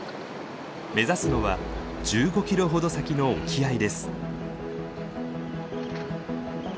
目指すのは１５キロほど先の沖合です。